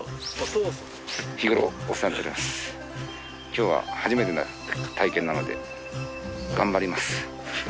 今日は初めての体験なので頑張ります。